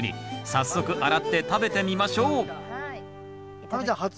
早速洗って食べてみましょう亜美ちゃん初？